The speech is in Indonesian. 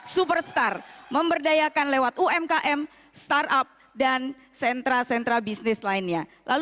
superstar memberdayakan lewat umkm startup dan sentra sentra bisnis lainnya